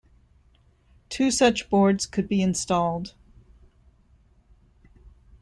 Two such boards could be installed.